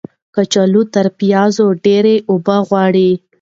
کچالو تر پیازو ډیرې اوبه غواړي.